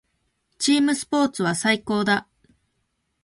チームスポーツは最高だ。